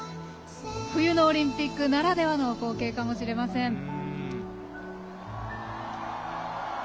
冬のオリンピックならではの光景かもしれません。